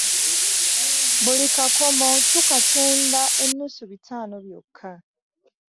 Buli kakomo tukatunda ennusu bitaano byoka.